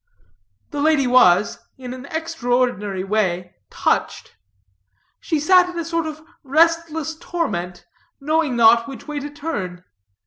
The lady was, in an extraordinary way, touched. She sat in a sort of restless torment, knowing not which way to turn.